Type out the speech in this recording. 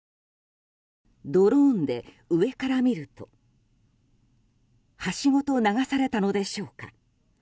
ドローンで上から見ると橋ごと流されたのでしょうか。